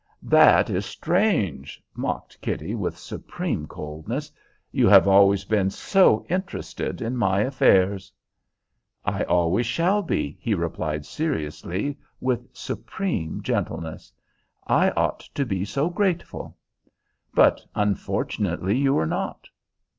"That is strange," mocked Kitty, with supreme coldness. "You have always been so interested in my affairs!" "I always shall be," he replied seriously, with supreme gentleness. "I ought to be so grateful." "But unfortunately you are not."